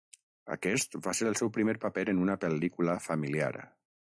Aquest va ser el seu primer paper en una pel·lícula familiar.